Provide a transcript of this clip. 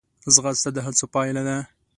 ځغاسته د هڅو پایله ده